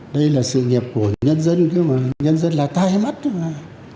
đây là sự nghiệp của nhân dân nhân dân là tay mắt thôi mà